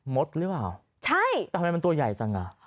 มดหรือเปล่าใช่ทำไมมันตัวใหญ่จังอ่ะ